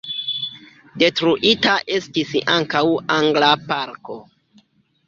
Detruita estis ankaŭ angla parko.